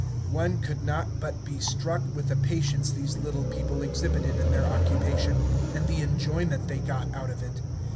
One could not but be struck with the patience these little people exhibited in their occupation, and the enjoyment they got out of it.